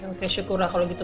oke syukur lah kalau gitu